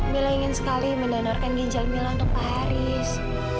milla ingin sekali mendenorkan ginjal mila untuk pak haris